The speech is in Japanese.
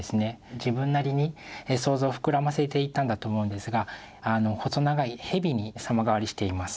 自分なりに想像を膨らませていったんだと思うんですがあの細長い蛇に様変わりしています。